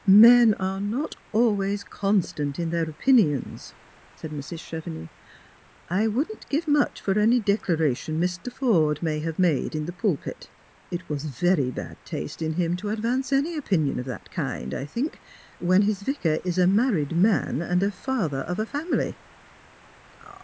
"Men are not always constant in their opinions," said Mrs, Chevenix. " I wouldn't give much for any declaration Mr. I'orde may have made in the pulpit. It was very bad taste in iiim to advance any opinion of that kind, I think, when hia vi( ar is a married man and the fatlier of a family."